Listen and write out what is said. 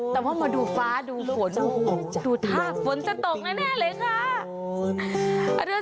แต่ว่ามาดูฟ้าดูฝนดูท่าฝนจะตกแน่เลยค่ะ